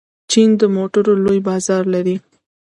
چین د موټرو لوی بازار لري.